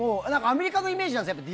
アメリカのイメージなんですよね。